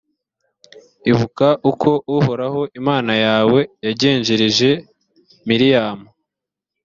ibuka uko uhoraho imana yawe yagenjereje miriyamu.